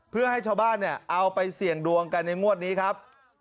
เพื่อให้ชาวบ้านเนี่ยเอาไปเสี่ยงดวงกันในงวดนี้ครับ